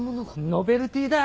ノベルティだ。